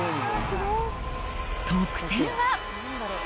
得点は。